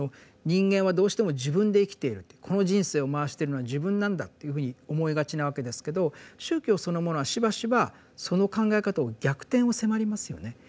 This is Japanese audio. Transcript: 人間はどうしても自分で生きているとこの人生を回してるのは自分なんだというふうに思いがちなわけですけど宗教そのものはしばしばその考え方を逆転を迫りますよね。